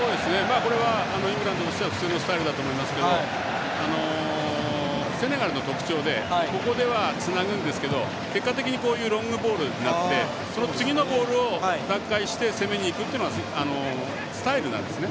これはイングランドとしては普通のスタイルだと思いますけどセネガルの特徴でここでは、つなぐんですけど結果的にロングボールになってそのボールを奪回して攻めにいくっていうのはスタイルなんですね。